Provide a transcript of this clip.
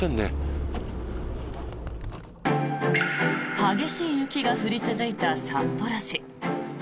激しい雪が降り続いた札幌市。